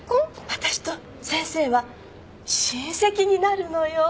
私と先生は親戚になるのよ。